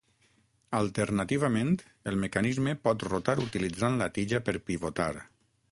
Alternativament, el mecanisme pot rotar utilitzant la tija per pivotar.